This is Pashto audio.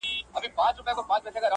که شرط د یار وي قاسم یاره په منلو ارزي,